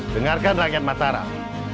dengarkan rakyat mataram